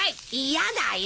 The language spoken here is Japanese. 嫌だよ。